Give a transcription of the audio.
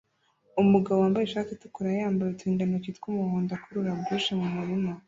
Umugabo wambaye ishati itukura yambaye uturindantoki twumuhondo akurura brush mu murima